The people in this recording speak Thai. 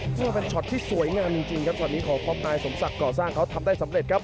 ว่าเป็นช็อตที่สวยงามจริงครับช็อตนี้ของพร้อมนายสมศักดิ์ก่อสร้างเขาทำได้สำเร็จครับ